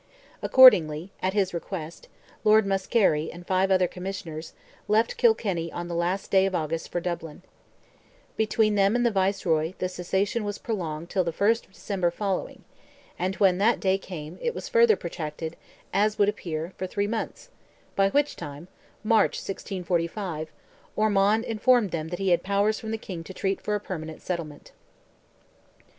Accordingly, at his request, Lord Muskerry, and five other commissioners, left Kilkenny on the last day of August for Dublin. Between them and the Viceroy, the cessation was prolonged till the first of December following; and when that day came, it was further protracted, as would appear, for three months, by which time, (March, 1645,) Ormond informed them that he had powers from the King to treat for a permanent settlement.